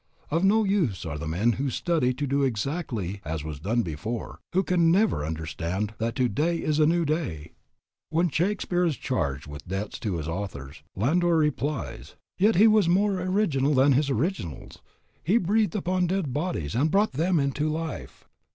"Of no use are the men who study to do exactly as was done before, who can never understand that today is a new day." When Shakspeare is charged with debts to his authors, Landor replies: "Yet he was more original than his originals. He breathed upon dead bodies and brought them into life."